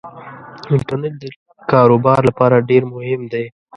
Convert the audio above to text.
انټرنيټ دکار وبار لپاره ډیرمهم دی